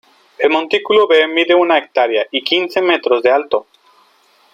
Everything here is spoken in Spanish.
El Montículo B mide una hectárea y quince metros de alto.